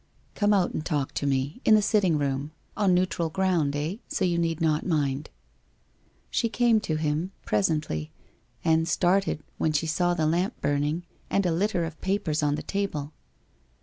' Come out and talk to me. In the sitting room. On neutral ground, eh. So you need not mind.' She came to him, presently, and started when she saw the lamp burning and a litter of papers on the table.